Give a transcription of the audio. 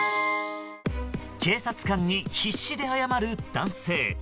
警察官に必死で謝る男性。